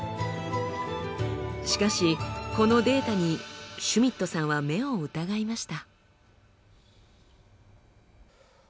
しかしこのデータにシュミットさんは目を疑いました。